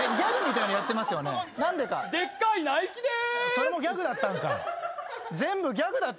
それもギャグだったんかい？